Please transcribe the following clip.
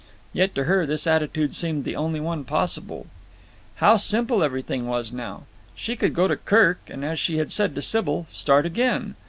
Yet to her this attitude seemed the only one possible. How simple everything was now! She could go to Kirk and, as she had said to Sybil, start again.